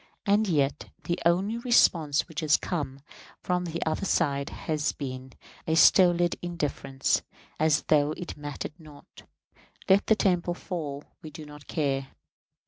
And yet, the only response which has come from the other side has been a stolid indifference, as though it mattered not: "Let the temple fall, we do not care!"